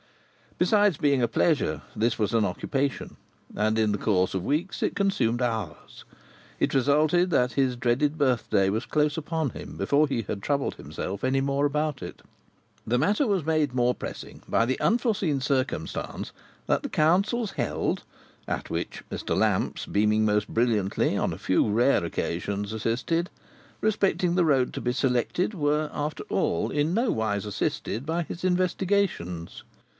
Besides being a pleasure, this was an occupation, and in the course of weeks it consumed hours. It resulted that his dreaded birthday was close upon him before he had troubled himself any more about it. The matter was made more pressing by the unforeseen circumstance that the councils held (at which Mr. Lamps, beaming most brilliantly, on a few rare occasions assisted) respecting the road to be selected, were, after all, in no wise assisted by his investigations.